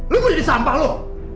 lo mau jadi sampah lo